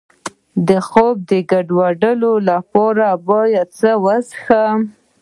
د خوب د ګډوډۍ لپاره باید څه مه څښم؟